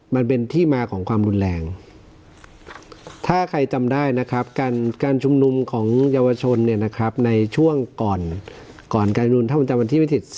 มันเป็นที่มาของความรุนแรงถ้าใครจำได้นะครับการชุมนุมของเยาวชนเนี่ยนะครับในช่วงก่อนการชุมนุมถ้ามันจำวันที่วิธี